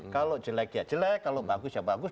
kalau jelek ya jelek kalau bagus ya bagus